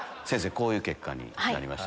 こういう結果になりました。